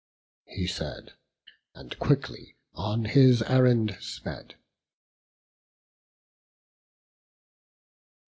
He said, and quickly on his errand sped.